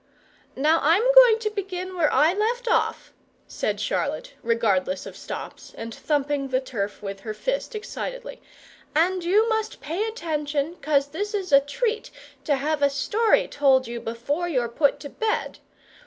"Now, I'm going to begin where I left off," said Charlotte, regardless of stops, and thumping the turf with her fist excitedly: "and you must pay attention, 'cos this is a treat, to have a story told you before you're put to bed.